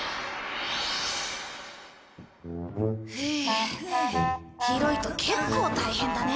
ハア広いと結構大変だね。